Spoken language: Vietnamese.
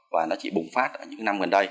và nó chỉ bùng phát ở những năm gần đây